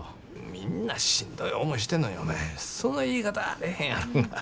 みんなしんどい思いしてんのにお前その言い方はあれへんやろが。